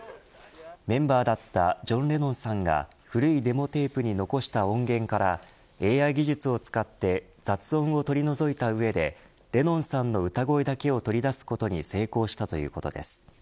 メンバーだったジョン・レノンさんが古いデモテープに残した音源からＡＩ技術を使って雑音を取り除いた上でレノンさんの歌声だけを取り出すことに成功したということです。